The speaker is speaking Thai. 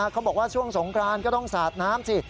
เขาบอกว่าช่วงสงครานก็ต้องสาดน้ำสิ